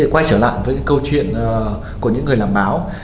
quay trở lại với câu chuyện của những người làm báo